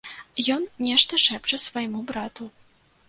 Ён нешта шэпча свайму брату.